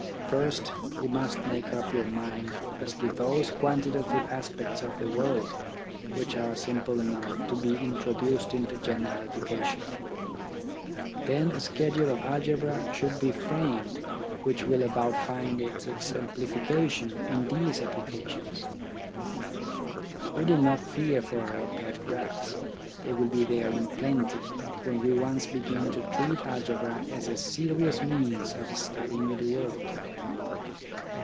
First, you must make up your mind as to those quantitative aspects of the world which are simple enough to be introduced into general education ; then a schedule of algebra should be framed which will about find its exemplification in these applications. We need not fear for our pet graphs, they will be there in plenty when we once begin to treat algebra as a serious means of studying the world.